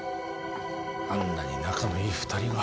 あんなに仲のいい２人が。